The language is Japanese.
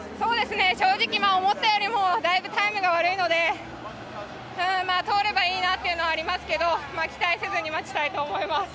正直、思ったよりもだいぶタイムが悪いので通ればいいなというのはありますけど期待せずに待ちたいと思います。